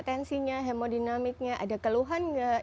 tensinya hemodinamiknya ada keluhan nggak